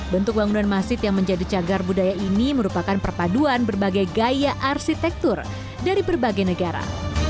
bentuk bangunan masjid yang menjadi cagar budaya ini merupakan perpaduan berbagai gaya arsitektur dari berbagai negara